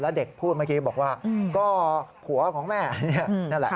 แล้วเด็กพูดเมื่อกี้บอกว่าก็ผัวของแม่อันนี้นั่นแหละ